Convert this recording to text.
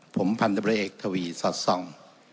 ผมพันธบริเอกทวีสอดส่อง